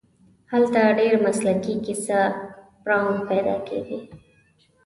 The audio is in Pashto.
هلته ډېر مسلکي کیسه بُران پیدا کېږي.